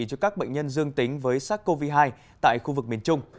cho các bệnh nhân dương tính với sars cov hai tại khu vực miền trung